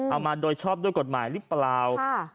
เอามาโดยชอบโดยกฎหมายหรือเปล่า